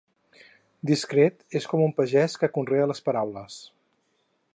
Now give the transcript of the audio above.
Discret, és com un pagès que conrea les paraules.